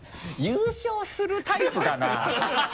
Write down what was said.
優勝するタイプかな？